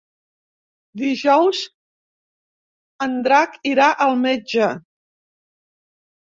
Dijous en Drac irà al metge.